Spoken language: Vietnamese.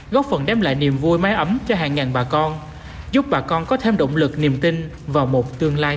góp phần đem lại niềm vui mái ấm cho hàng ngàn bà con giúp bà con có thêm động lực niềm tin vào một tương lai